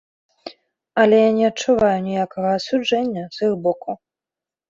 Але я не адчуваю ніякага асуджэння з іх боку.